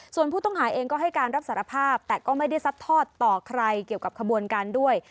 ส่วนผู้ต้องหาเองก็ให้การรับสารภาพแต่ก็ไม่ได้ซัดทอดต่อใครเกี่ยวกับขบวนการด้วย